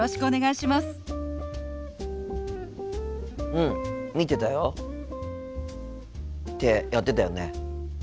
うん見てたよ。ってやってたよね。